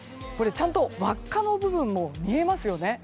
ちゃんと輪っかの部分も見えますよね。